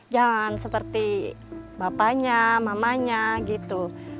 jangan seperti bapaknya mamanya gitu